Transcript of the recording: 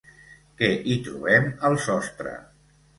Què hi trobem al sostre?